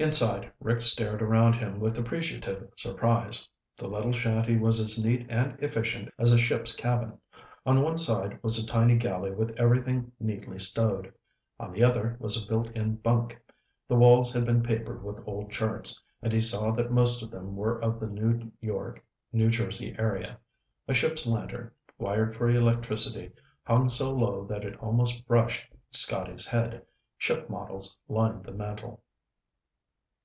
Inside, Rick stared around him with appreciative surprise. The little shanty was as neat and efficient as a ship's cabin. On one side was a tiny galley with everything neatly stowed. On the other was a built in bunk. The walls had been papered with old charts, and he saw that most of them were of the New York New Jersey area. A ship's lantern, wired for electricity, hung so low that it almost brushed Scotty's head. Ship models lined the mantel.